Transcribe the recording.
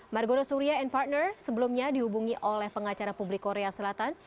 margono surya and partner sebelumnya dihubungi oleh pengacara publik korea selatan